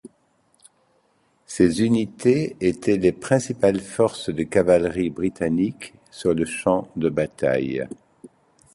Ces unités étaient les principales forces de cavalerie britanniques sur le champ de bataille.